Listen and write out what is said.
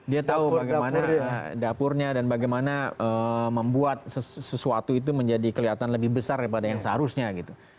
dia tahu bagaimana dapurnya dan bagaimana membuat sesuatu itu menjadi kelihatan lebih besar daripada yang seharusnya gitu